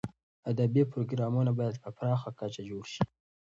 ادبي پروګرامونه باید په پراخه کچه جوړ شي.